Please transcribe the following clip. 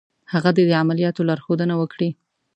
هغه دې د عملیاتو لارښودنه وکړي.